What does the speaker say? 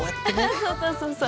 そうそうそうそう。